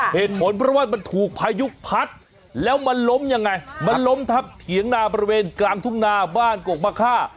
เหตุผลเพราะว่ามันถูกพายุพัดแล้วมันล้มยังไงมันล้มทับเถียงนาบริเวณกลางทุ่งนาบ้านกกมะค่า